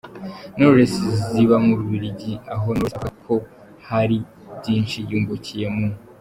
Knowless ziba mu Bubiligi aho Knowless avuga ko hari byinshi yungukiye mu.